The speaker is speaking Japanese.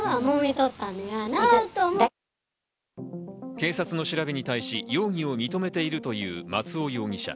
警察の調べに対し、容疑を認めているという松尾容疑者。